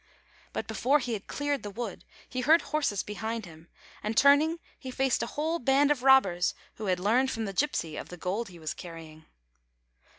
But before he had cleared the wood, he heard horses behind him, and turning he faced a whole band of robbers who had learned from the gypsy of the gold he was carrying.